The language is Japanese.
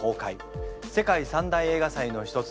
世界三大映画祭の一つ